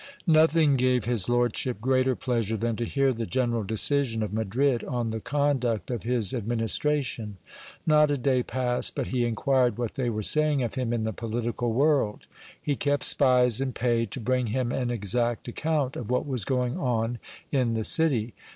Nothing' gave his lordship greater pleasure than to hear the general decision of Madrid on the conduct of his administration. Not a day passed but he in quired what they were saying of him in the political world. He kept spies in pay, to bring him an exact account of what was going on in the city.